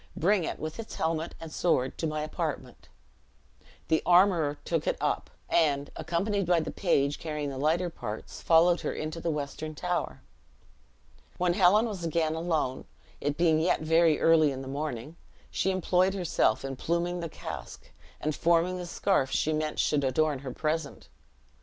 Bring it, with its helmet and sword, to my apartment." The armorer took it up; and, accompanied by the page carrying the lighter parts, followed her into the western tower. When Helen was again alone, it being yet very early in the morning, she employed herself in pluming the casque, and forming the scarf she meant should adorn her present.